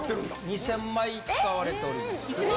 ２０００枚使われております。